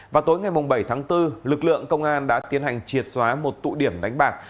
vào tối ngày bảy tháng bốn lực lượng công an đã tiến hành triệt xóa một tụ điểm đánh bạc